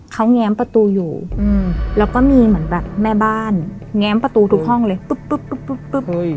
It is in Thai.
เขาแง้มประตูอยู่แล้วก็มีเหมือนแบบแม่บ้านแง้มประตูทุกห้องเลยปุ๊บ